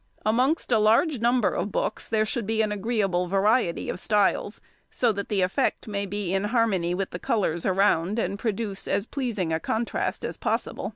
|118| Amongst a large number of books there should be an agreeable variety of styles, so that the effect may be in harmony with the colours around, and produce as pleasing a contrast as possible.